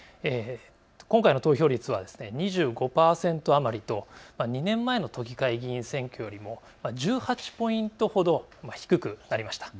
今回の投票率は２５％余りと２年前の都議会議員選挙よりも１８ポイントほど低くなりました。